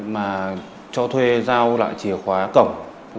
mà cho thuê giao lại chìa khóa cổng